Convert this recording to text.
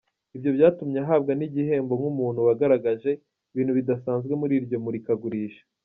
Ibyo byatumye ahabwa n’igihembo nk’umuntu wagaragaje ibintu bidasanzwe muri iryo murikagurisha.